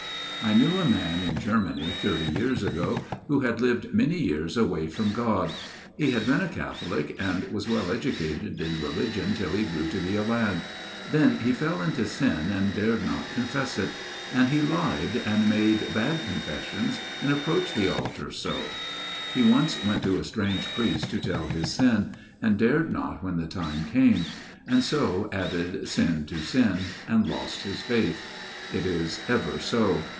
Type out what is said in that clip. " I knew a man in Germany, thirty years ago, who had lived many years away from God. He had been a Catholic, and was well educated in religion till he grew to be a lad. Then he fell into sin, and dared not confess it ; and he lied, and made bad confessions and approached the altar FATHER STEIN'S TALE 255 so. He once went to a strange priest to tell his sin, and dared not when the time came ; and so added sin to sin, and lost his faith. It is ever so.